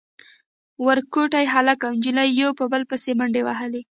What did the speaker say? ورکوټي هلک او نجلۍ يو بل پسې منډې وهلې.